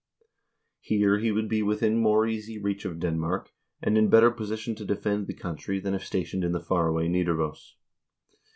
Here he would be within more easy reach of Denmark, and in bet ter position to defend the country than if stationed in the far away Nidaros.